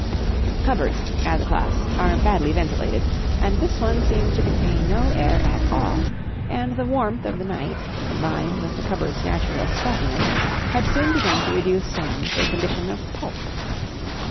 Cupboards, as a class, are badly ventilated, and this one seemed to contain no air at all; and the warmth of the night, combined with the cupboard's natural stuffiness, had soon begun to reduce Sam to a condition of pulp.